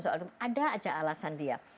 soal itu ada aja alasan dia